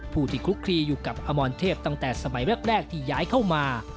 ผู้ที่คลุกคลีอยู่กับอมรเทพตั้งแต่สมัยแรกที่ย้ายเข้ามา